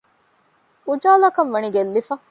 އުޖާލާކަންވަނީ ގެއްލިފަ